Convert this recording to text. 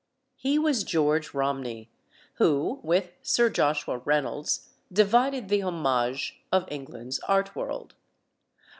He was George Romney, who, with Sir Joshua Reynolds, divided the homage of England's art world.